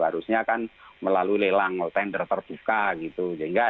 harusnya kan melalui lelang tender terbuka gitu